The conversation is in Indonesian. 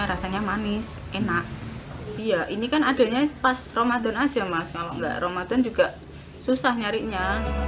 rasanya manis enak iya ini kan adanya pas ramadan aja mas kalau enggak ramadan juga susah nyarinya